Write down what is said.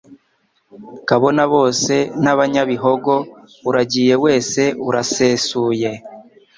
Kabona bose n' abanyabihogoUragiye wese arasesuye